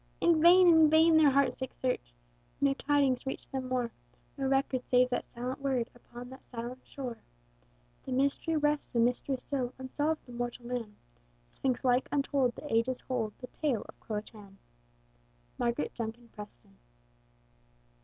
In vain, in vain, their heart sick search! No tidings reached them more; No record save that silent word Upon that silent shore. The mystery rests a mystery still, Unsolved of mortal man: Sphinx like untold, the ages hold The tale of CRO A TÀN! MARGARET JUNKIN PRESTON.